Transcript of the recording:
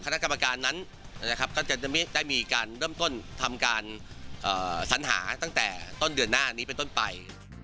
คณะกรรมการนั้นก็จะได้มีการเริ่มต้นทำการสัญหาตั้งแต่ต้นเดือนหน้านี้เป็นต้นไป